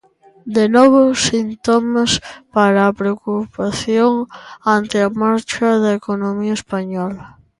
De novo síntomas para a preocupación ante a marcha da economía española.